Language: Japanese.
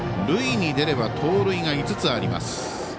塁に出れば盗塁が５つあります。